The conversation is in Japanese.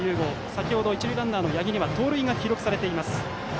先程、一塁ランナーの八木には盗塁が記録されています。